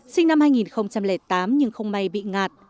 sinh năm hai nghìn tám nhưng không may bị ngạt